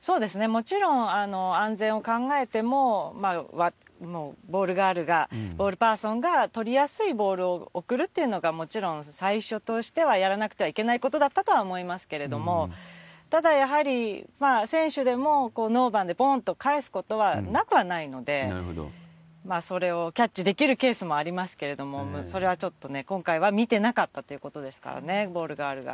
もちろん、安全を考えても、ボールガールが、ボールパーソンが取りやすいボールを送るっていうのが、もちろん最初としてはやらなくてはいけないことだったとは思いますけれども、ただ、やはり、選手でも、ノーバンでぽーんと返すことはなくはないので、それをキャッチできるケースもありますけれども、それはちょっとね、今回は見てなかったということでしたよね、ボールガールが。